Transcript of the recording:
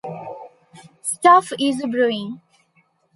Stuff is a-brewin'.